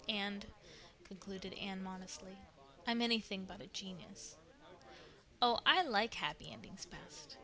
And," concluded Anne modestly, "I'm anything but a genius." "Oh I like happy endings best.